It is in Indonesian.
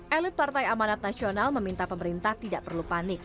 elit partai amanat nasional meminta pemerintah tidak perlu panik